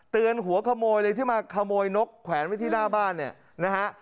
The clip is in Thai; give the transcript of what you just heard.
หัวขโมยเลยที่มาขโมยนกแขวนไว้ที่หน้าบ้านเนี่ยนะฮะ